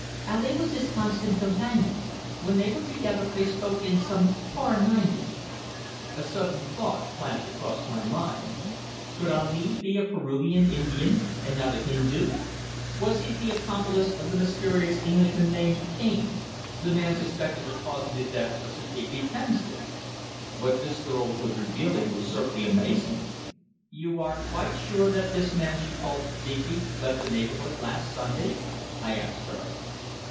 "Ali was his constant companion. When they were together they spoke in some foreign language." A sudden thought flashed across my mind. Could Ali be a Peruvian Indian and not a Hindu? Was he the accomplice of the mysterious Englishman named Cane the man suspected of causing the death of Sir Digby Kemsley? What this girl was revealing was certainly amazing. "You are quite sure that this man she called Digby left the neighbourhood last Sunday?" I asked her.